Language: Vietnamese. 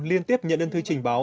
liên tiếp nhận đơn thư trình báo